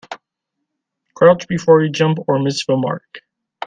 Crouch before you jump or miss the mark.